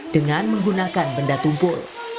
dengan menggunakan benda tumpul